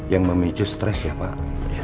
yang memicu stres ya pak